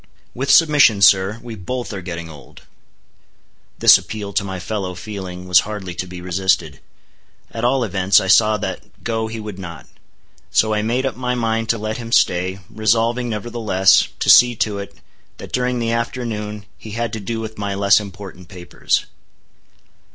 With submission, sir, we both are getting old." This appeal to my fellow feeling was hardly to be resisted. At all events, I saw that go he would not. So I made up my mind to let him stay, resolving, nevertheless, to see to it, that during the afternoon he had to do with my less important papers.